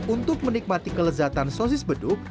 untuk menikmati kelezatan sosis beduk